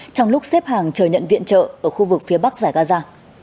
trong lúc xếp hàng chờ nhận viện trợ ở khu vực phía bắc giải gaza